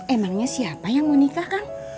emangnya siapa yang mau nikah kan